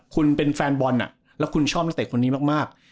คุณเป็นแฟนบอลแล้วคุณชอบนักเตะคนนี้มาก